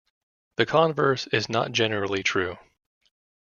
The converse is not generally true.